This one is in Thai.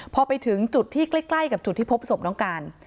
พอไปถึงจุดที่ใกล้กับจุดที่พบศพน้องการ